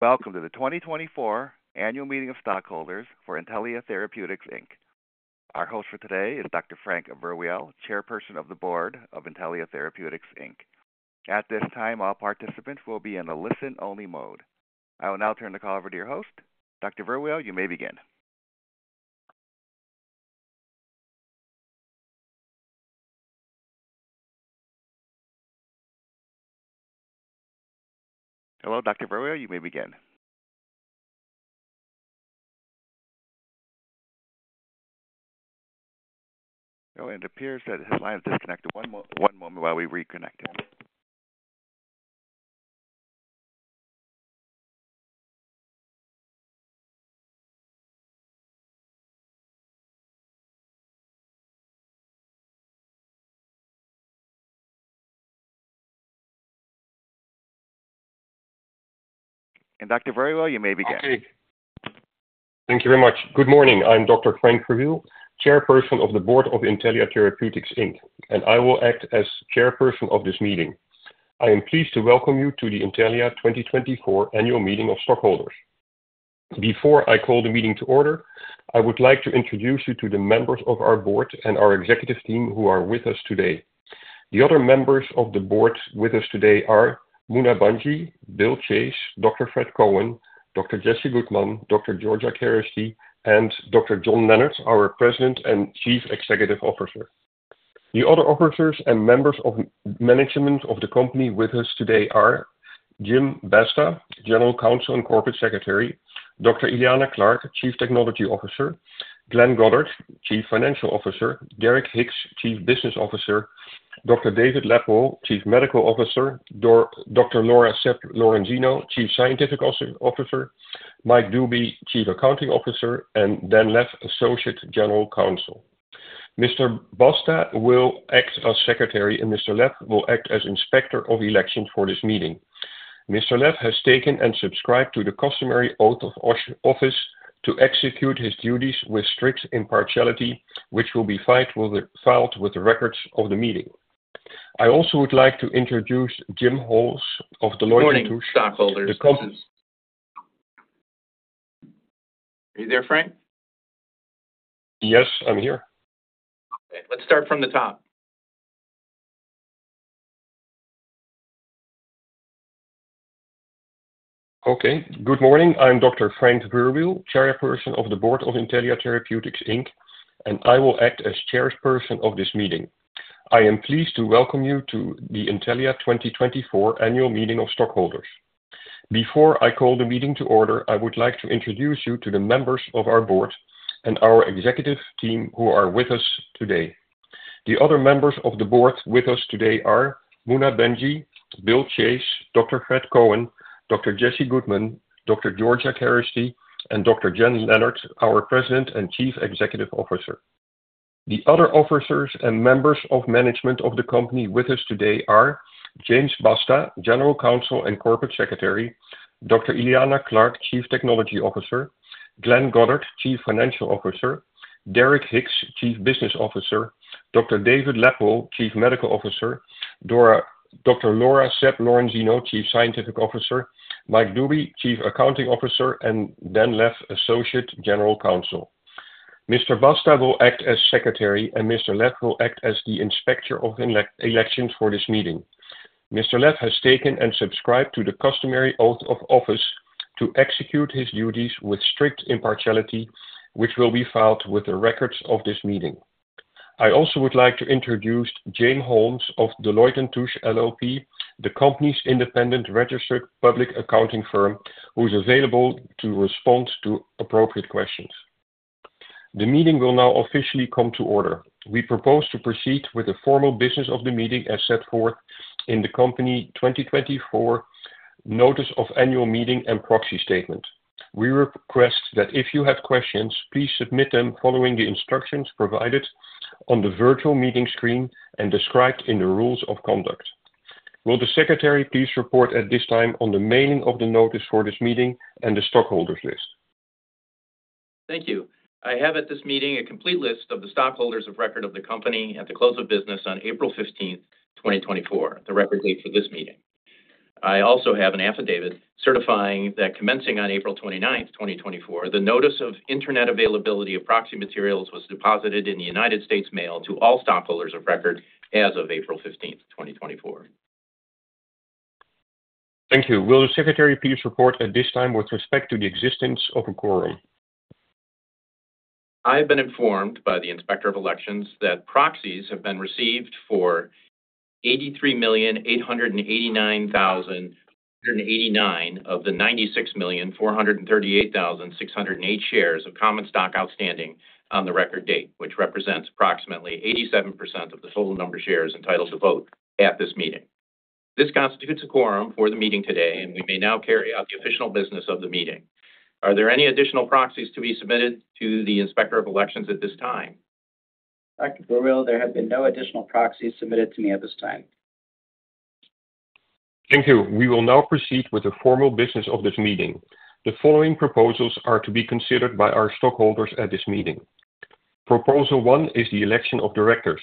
Welcome to the 2024 Annual Meeting of Stockholders for Intellia Therapeutics, Inc. Our host for today is Dr. Frank Verwiel, Chairperson of the Board of Intellia Therapeutics, Inc. At this time, all participants will be in a listen-only mode. I will now turn the call over to your host. Dr. Verwiel, you may begin. Hello, Dr. Verwiel, you may begin. Oh, and it appears that his line's disconnected. One moment while we reconnect him. And Dr. Verwiel, you may begin. Okay. Thank you very much. Good morning. I'm Dr. Frank Verwiel, Chairperson of the Board of Intellia Therapeutics, Inc., and I will act as Chairperson of this meeting. I am pleased to welcome you to the Intellia 2024 Annual Meeting of Stockholders. Before I call the meeting to order, I would like to introduce you to the members of our board and our executive team who are with us today. The other members of the board with us today are Muna Bhanji, Bill Chase, Dr. Fred Cohen, Dr. Jesse Goodman, Dr. Georgia Keresty, and Dr. John Leonard, our President and Chief Executive Officer. The other officers and members of management of the company with us today are Jim Basta, General Counsel and Corporate Secretary; Dr. Eliana Clark, Chief Technology Officer; Glenn Goddard, Chief Financial Officer; Derek Hicks, Chief Business Officer; Dr. David Lebwohl, Chief Medical Officer; Dr. Laura Sepp-Lorenzino, Chief Scientific Officer, Mike Dube, Chief Accounting Officer, and Dan Lepp, Associate General Counsel. Mr. Basta will act as Secretary, and Mr. Lepp will act as Inspector of Elections for this meeting. Mr. Lepp has taken and subscribed to the customary oath of office to execute his duties with strict impartiality, which will be filed with the records of the meeting. I also would like to introduce Jane Holmes of the Deloitte & Touche. Morning, Stockholders. Are you there, Frank? Yes, I'm here. Okay. Let's start from the top. Okay. Good morning. I'm Dr. Frank Verwiel, Chairperson of the Board of Intellia Therapeutics, Inc., and I will act as Chairperson of this meeting. I am pleased to welcome you to the Intellia 2024 Annual Meeting of Stockholders. Before I call the meeting to order, I would like to introduce you to the members of our board and our executive team who are with us today. The other members of the board with us today are Muna Bhanji, Bill Chase, Dr. Fred Cohen, Dr. Jesse Goodman, Dr. Georgia Keresty, and Dr. John Leonard, our President and Chief Executive Officer. The other officers and members of management of the company with us today are James Basta, General Counsel and Corporate Secretary; Dr. Eliana Clark, Chief Technology Officer; Glenn Goddard, Chief Financial Officer; Derek Hicks, Chief Business Officer; Dr. David Lebwohl, Chief Medical Officer; Dr. Laura Sepp-Lorenzino, Chief Scientific Officer; Mike Dube, Chief Accounting Officer; and Dan Lepp, Associate General Counsel. Mr. Basta will act as Secretary, and Mr. Lepp will act as the Inspector of Elections for this meeting. Mr. Lepp has taken and subscribed to the customary oath of office to execute his duties with strict impartiality, which will be filed with the records of this meeting. I also would like to introduce Jane Holmes of the Deloitte & Touche LLP, the company's independent registered public accounting firm who's available to respond to appropriate questions. The meeting will now officially come to order. We propose to proceed with the formal business of the meeting as set forth in the company 2024 Notice of Annual Meeting and Proxy Statement. We request that if you have questions, please submit them following the instructions provided on the virtual meeting screen and described in the Rules of Conduct. Will the Secretary please report at this time on the mailing of the notice for this meeting and the stockholders' list? Thank you. I have at this meeting a complete list of the stockholders of record of the company at the close of business on April 15th, 2024, the record date for this meeting. I also have an affidavit certifying that commencing on April 29th, 2024, the Notice of Internet Availability of Proxy Materials was deposited in the United States Mail to all stockholders of record as of April 15th, 2024. Thank you. Will the Secretary please report at this time with respect to the existence of a quorum? I have been informed by the Inspector of Elections that proxies have been received for 83,889,189 of the 96,438,608 shares of common stock outstanding on the record date, which represents approximately 87% of the total number of shares entitled to vote at this meeting. This constitutes a quorum for the meeting today, and we may now carry out the official business of the meeting. Are there any additional proxies to be submitted to the Inspector of Elections at this time? Dr. Verwiel, there have been no additional proxies submitted to me at this time. Thank you. We will now proceed with the formal business of this meeting. The following proposals are to be considered by our stockholders at this meeting. Proposal one is the election of directors.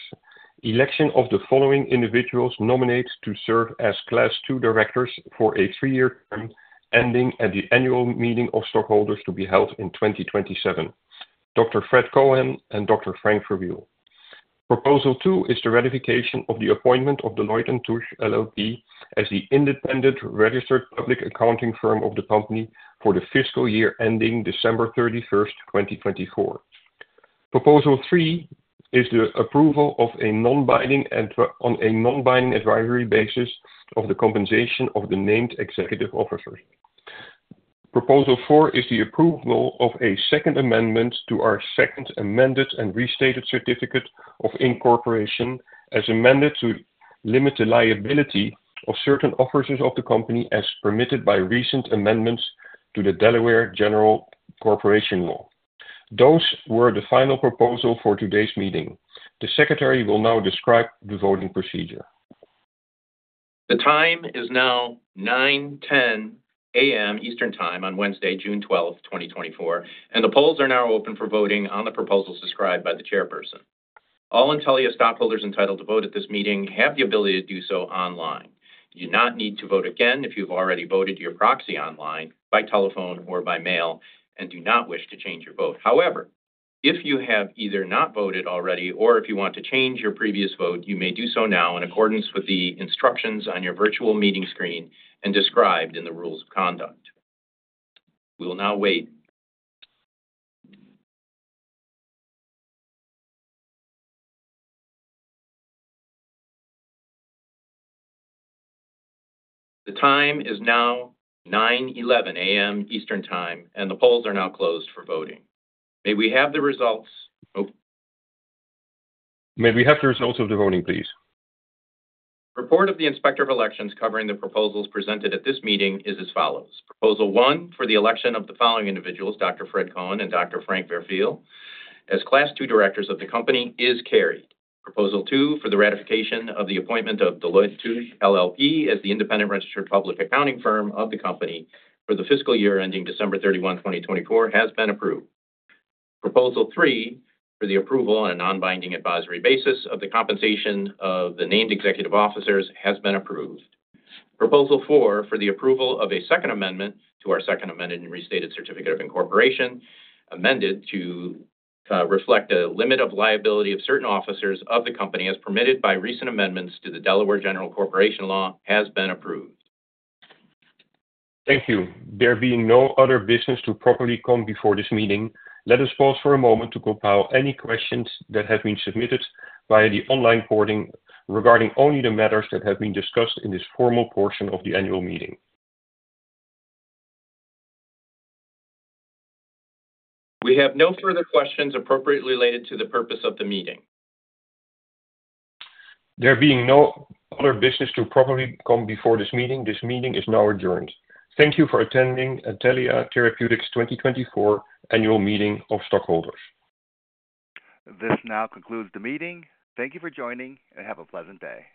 Election of the following individuals nominated to serve as Class II directors for a three-year term ending at the annual meeting of stockholders to be held in 2027: Dr. Fred Cohen and Dr. Frank Verwiel. Proposal two is the ratification of the appointment of Deloitte & Touche LLP as the independent registered public accounting firm of the company for the fiscal year ending December 31st, 2024. Proposal three is the approval of a non-binding advisory basis of the compensation of the named executive officers. Proposal four is the approval of a second amendment to our Second Amended and Restated Certificate of Incorporation as amended to limit the liability of certain officers of the company as permitted by recent amendments to the Delaware General Corporation Law. Those were the final proposals for today's meeting. The Secretary will now describe the voting procedure. The time is now 9:10 A.M. Eastern Time on Wednesday, June 12th, 2024, and the polls are now open for voting on the proposals described by the Chairperson. All Intellia stockholders entitled to vote at this meeting have the ability to do so online. You do not need to vote again if you've already voted your proxy online, by telephone or by mail, and do not wish to change your vote. However, if you have either not voted already or if you want to change your previous vote, you may do so now in accordance with the instructions on your virtual meeting screen and described in the Rules of Conduct. We will now wait. The time is now 9:11 A.M. Eastern Time, and the polls are now closed for voting. May we have the results? May we have the results of the voting, please? Report of the Inspector of Elections covering the proposals presented at this meeting is as follows: Proposal one for the election of the following individuals, Dr. Fred Cohen and Dr. Frank Verwiel, as Class II Directors of the company is carried. Proposal two for the ratification of the appointment of Deloitte & Touche LLP as the independent registered public accounting firm of the company for the fiscal year ending December 31st, 2024, has been approved. Proposal three for the approval on a non-binding advisory basis of the compensation of the named executive officers has been approved. Proposal four for the approval of a second amendment to our second amended and restated certificate of incorporation amended to reflect a limit of liability of certain officers of the company as permitted by recent amendments to the Delaware General Corporation Law has been approved. Thank you. There being no other business to properly come before this meeting, let us pause for a moment to compile any questions that have been submitted via the online portal regarding only the matters that have been discussed in this formal portion of the annual meeting. We have no further questions appropriately related to the purpose of the meeting. There being no other business to properly come before this meeting, this meeting is now adjourned. Thank you for attending Intellia Therapeutics 2024 Annual Meeting of Stockholders. This now concludes the meeting. Thank you for joining, and have a pleasant day.